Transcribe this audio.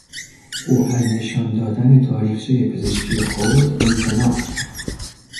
او از نشان دادن تاریخچهی پزشکی خود امتناع کرد.